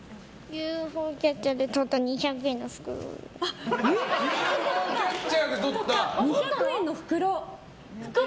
ＵＦＯキャッチャーでとった２００円の袋。